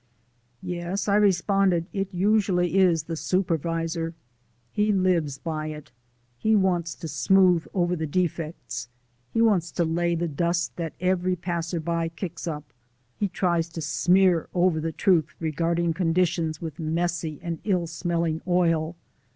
"Yes," I responded, "it usually is the supervisor. He lives by it. He wants to smooth over the defects, he wants to lay the dust that every passerby kicks up, he tries to smear over the truth regarding conditions with messy and ill smelling oil.